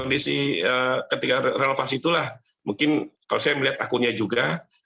desi ketika renovasi itulah mungkin kalau saya melihat akunnya juga